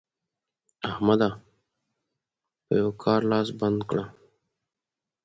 احمده! په یوه کار لاس بنده کړه.